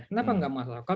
kenapa nggak masuk akal